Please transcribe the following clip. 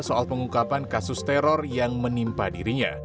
soal pengungkapan kasus teror yang menimpa dirinya